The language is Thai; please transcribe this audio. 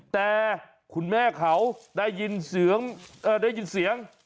แต่คุณแม่เขาได้ยินเสียง